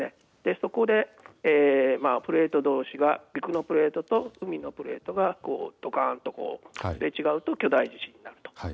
そこでプレートどうしが陸のプレートと海のプレートがどかんとすれ違うと巨大地震になる。